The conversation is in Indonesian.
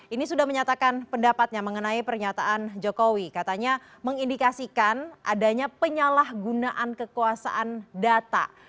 ini sudah menyatakan pendapatnya mengenai pernyataan jokowi katanya mengindikasikan adanya penyalahgunaan kekuasaan data